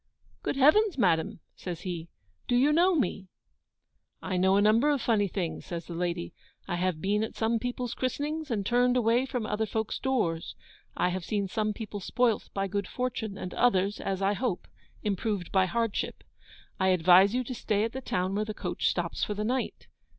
'Good heavens, madam!' says he, 'do you know me?' 'I know a number of funny things,' says the lady. 'I have been at some people's christenings, and turned away from other folks' doors. I have seen some people spoilt by good fortune, and others, as I hope, improved by hardship. I advise you to stay at the town where the coach stops for the night.